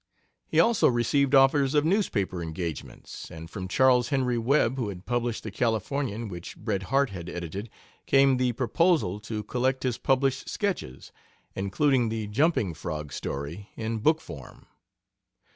He also received offers of newspaper engagements, and from Charles Henry Webb, who had published the Californian, which Bret Harte had edited, came the proposal to collect his published sketches, including the jumping Frog story, in book form.